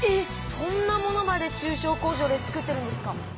そんなものまで中小工場で作ってるんですか。